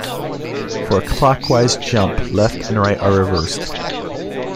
For a clockwise jump, left and right are reversed.